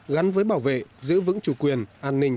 gắn với bảo vệ giữ vững chủ quyền an ninh